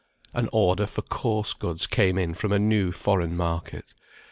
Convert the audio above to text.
An order for coarse goods came in from a new foreign market.